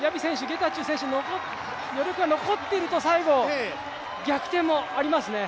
ゲタチュー選手が残っていると最後、逆転もありますね。